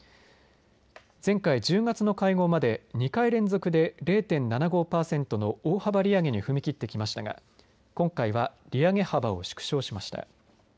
前回１０月の会合まで２回連続で０．７５パーセントの大幅利上げに踏み切ってきましたが今回は利上げ幅を縮小しました。